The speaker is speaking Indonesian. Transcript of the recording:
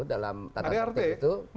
dalam tata tertentu itu